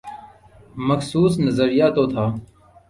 مخصوص نظریہ تو تھا۔